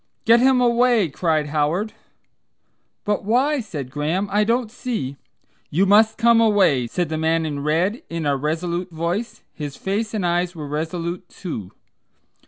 "Get him away," cried Howard. "But why?" said Graham. "I don't see " "You must come away!" said the man in red in a resolute voice. His face and eyes were resolute, too.